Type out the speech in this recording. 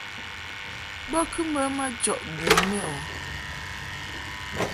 Bo kɨ mbə majɔʼ bun mɛ o.